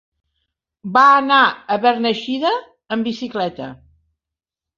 Va anar a Beneixida amb bicicleta.